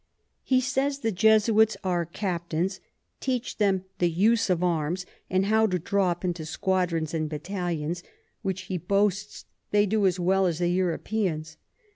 He says the Jesuits are Captains, teach them the Use of Arms, and how to draw up into Squadrons and Battallions; which he boasts they can do as well as the Europeans.